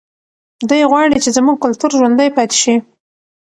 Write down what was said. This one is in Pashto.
دی غواړي چې زموږ کلتور ژوندی پاتې شي.